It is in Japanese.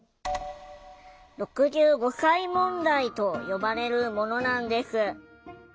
「６５歳問題」と呼ばれるものなんです。